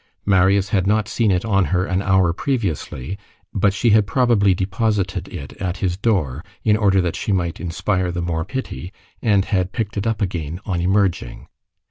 Marius had not seen it on her an hour previously, but she had probably deposited it at his door, in order that she might inspire the more pity, and had picked it up again on emerging.